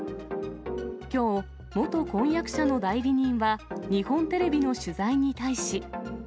きょう、元婚約者の代理人は日本テレビの取材に対し。